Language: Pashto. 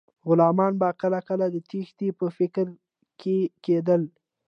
غلامان به کله کله د تیښتې په فکر کې کیدل.